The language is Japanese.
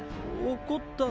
怒ったの？